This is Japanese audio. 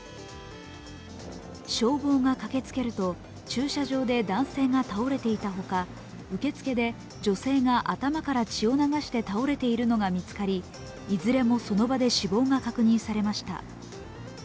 消防が駆けつけると、駐車場で男性が倒れていたほか受け付けで女性が頭から血を流して倒れているのが見つかり、いずれもその場で死亡が確認されました。